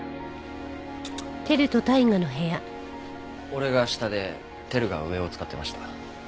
俺が下で輝が上を使ってました。